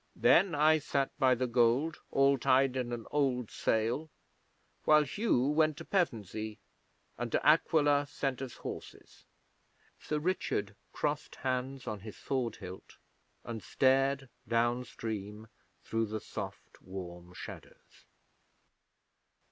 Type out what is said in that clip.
Then I sat by the gold, all tied in an old sail, while Hugh went to Pevensey, and De Aquila sent us horses.' Sir Richard crossed hands on his sword hilt, and stared down stream through the soft warm shadows.